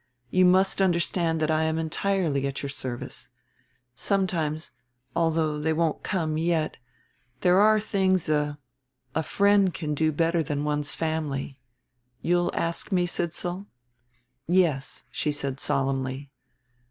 "You must understand that I am entirely at your service. Sometimes, although they won't come yet, there are things a a friend can do better than one's family. You'll ask me, Sidsall?" "Yes," she said solemnly.